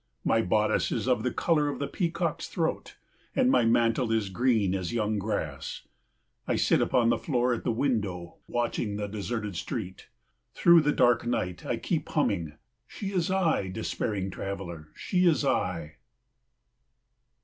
My bodice is of the colour of the peacock's throat, and my mantle is green as young grass. I sit upon the floor at the window watching the deserted street. Through the dark night I keep humming, "She is I, despairing traveller, she is I."